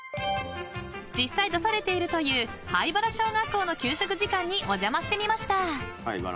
［実際出されているという榛原小学校の給食時間にお邪魔してみました］